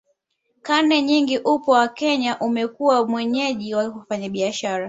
Karne nyingi upwa wa Kenya umekuwa mwenyeji wa wafanyabiashara